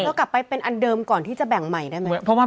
เรากลับไปเป็นอันเดิมก่อนที่จะแบ่งใหม่ได้ไหม